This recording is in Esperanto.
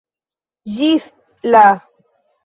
Ĝis la!